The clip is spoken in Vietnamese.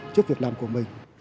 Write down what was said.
trước việc làm của mình